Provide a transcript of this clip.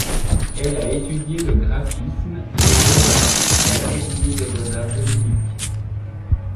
Elle a étudié le graphisme et les beaux-arts à l'Académie des beaux-arts de Munich.